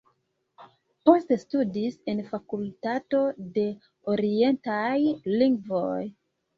Poste studis en fakultato de orientaj lingvoj.